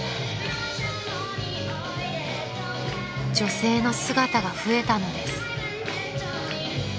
［女性の姿が増えたのです］